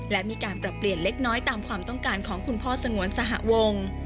และมีการปรับเปลี่ยนเล็กน้อยตามความต้องการของคุณพ่อสงวนสหวง